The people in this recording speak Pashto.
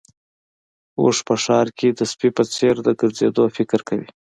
اوښ په ښار کې د سپي په څېر د ګرځېدو فکر کوي.